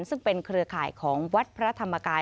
ซึ่งเป็นเครือข่ายของวัดพระธรรมกาย